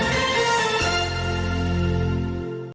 สวัสดีครับ